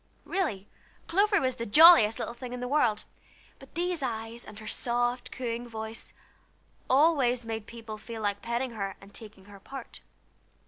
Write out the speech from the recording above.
Really, Clover was the jolliest little thing in the world; but these eyes, and her soft cooing voice, always made people feel like petting her and taking her part.